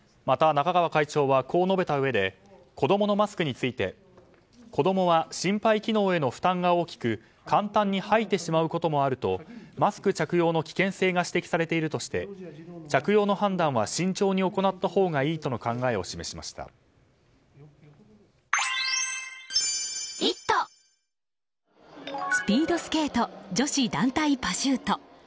また中川会長はこう述べたうえで子供のマスクについて子供は心肺機能への負担が大きく簡単に吐いてしまうこともあるとマスク着用の危険性が指摘されているとして着用の判断は慎重に行ったほうがいいとのスピードスケート女子団体パシュート。